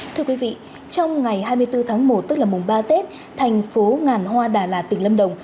thưa quý vị trong ngày hai mươi bốn tháng một tức là mùng ba tết thành phố ngàn hoa đà lạt tỉnh lâm đồng